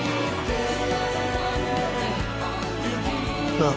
なあ。